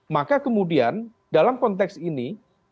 maka kemudian dalam konteks ini